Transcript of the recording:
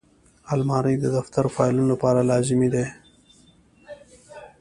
الماري د دفتر فایلونو لپاره لازمي ده